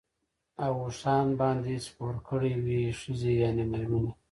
او اوښانو باندي سپور کړی وې، ښځي يعني ميرمنې